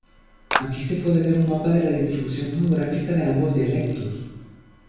Aquí se puede ver un mapa de la distribución geográfica de ambos dialectos.